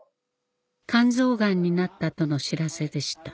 肝臓がんになったとの知らせでした